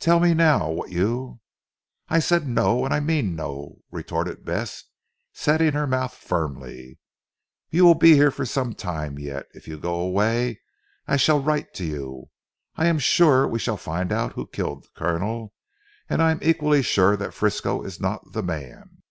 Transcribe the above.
Tell me now what you " "I said no and I mean no," retorted Bess setting her mouth firmly. "You will be here for some time yet. If you go away I shall write to you. I am sure we shall find out who killed the Colonel, and I am equally sure that Frisco is not the man."